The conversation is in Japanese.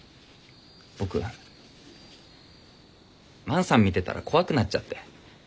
僕万さん見てたら怖くなっちゃって。